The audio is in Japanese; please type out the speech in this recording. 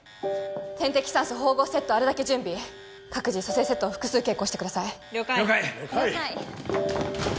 点滴酸素縫合セットをあるだけ準備各自蘇生セットを複数携行してください了解！